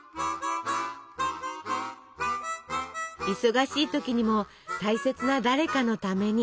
忙しい時にも大切な誰かのために。